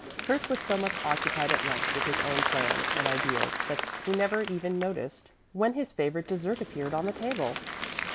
Kurt was so much occupied at lunch with his own plans and ideas that he never even noticed when his favorite dessert appeared on the table.